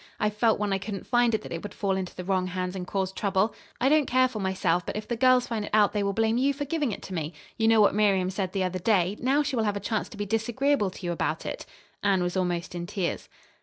I felt when I couldn't find it that it would fall into the wrong hands and cause trouble. I don't care for myself but if the girls find it out they will blame you for giving it to me. You know what Miriam said the other day. Now she will have a chance to be disagreeable to you about it." Anne was almost in tears.